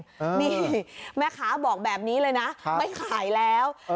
นี่แม่ค้าบอกแบบนี้เลยนะไม่ขายแล้ว